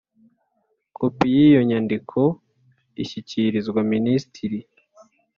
kopi y’iyo nyandiko ishyikirizwa minisitiri